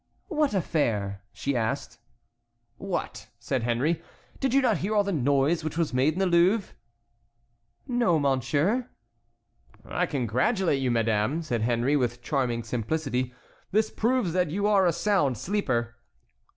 "What affair?" she asked. "What," said Henry, "did you not hear all the noise which was made in the Louvre?" "No, monsieur." "I congratulate you, madame," said Henry, with charming simplicity. "This proves that you are a sound sleeper."